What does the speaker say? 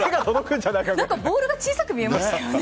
ボールが小さく見えましたよね。